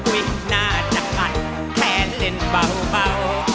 วิ่งหน้าหนักมัดแทนเล่นเบาเบา